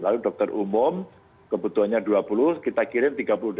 lalu dokter umum kebutuhannya dua puluh kita kirim tiga puluh dua